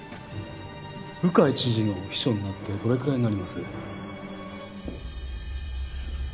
鵜飼知事の秘書になってどれくらいになります？